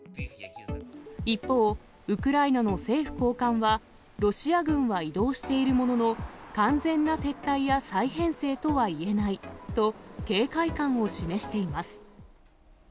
一方、ウクライナの政府高官は、ロシア軍は移動しているものの、完全な撤退や再編成とは言えないと、警戒感を示しています。